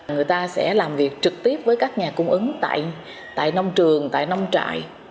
người ta sẽ làm việc trực tiếp với các nhà cung ứng tại nông trường tại nông trại